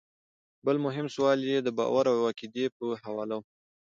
بل مهم سوال ئې د باور او عقيدې پۀ حواله وۀ